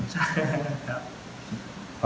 ใช่ครับ